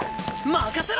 任せろ！